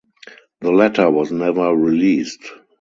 The letter was never released.